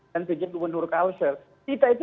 dan pj gubernur kauser kita itu